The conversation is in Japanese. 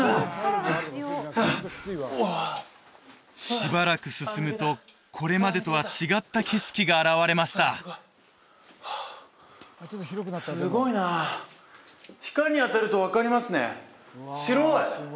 しばらく進むとこれまでとは違った景色が現れましたすごいな光に当たると分かりますね白い！